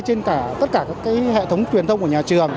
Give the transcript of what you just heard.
trên tất cả các hệ thống truyền thông của nhà trường